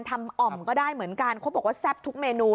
อ่อมก็ได้เหมือนกันเขาบอกว่าแซ่บทุกเมนู